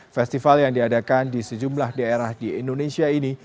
festival yang diadakan di sejumlah daerah di indonesia ini